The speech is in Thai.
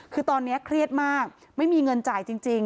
คือตอนนี้เครียดมากไม่มีเงินจ่ายจริง